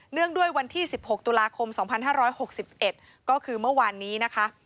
งด้วยวันที่๑๖ตุลาคม๒๕๖๑ก็คือเมื่อวานนี้นะคะ